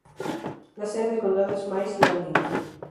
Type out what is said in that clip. La sede de condado es Mays Landing.